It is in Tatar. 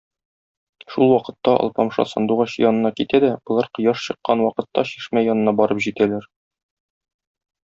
Шул вакытта Алпамша Сандугач янына китә дә, болар кояш чыккан вакытта чишмә янына барып җитәләр.